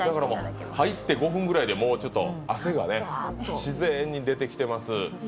入って５分ぐらいで、もうちょっと汗が自然に出てきています。